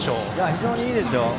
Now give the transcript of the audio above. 非常にいいですよ。